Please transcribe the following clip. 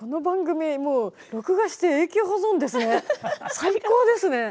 最高ですね。